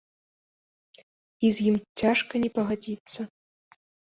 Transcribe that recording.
І з ім цяжка не пагадзіцца.